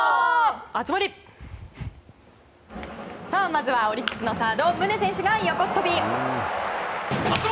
まずはオリックスのサード宗選手が横っ飛び。